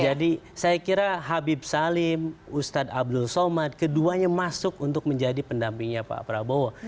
jadi saya kira habib salim ustadz abdul somad keduanya masuk untuk menjadi pendampingnya pak prabowo